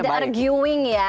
jadi ada arguing ya